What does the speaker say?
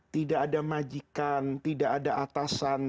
tidak ada majikan tidak ada atasan